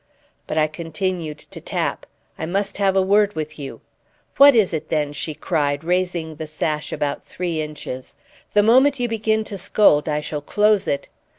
But I continued to tap. "I must have a word with you!" "What is it, then?" she cried, raising the sash about three inches. "The moment you begin to scold I shall close it."